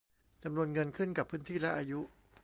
จำนวนเงินขึ้นกับพื้นที่และอายุ